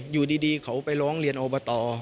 อยู่ดีเขาไปร้องเรียนอบต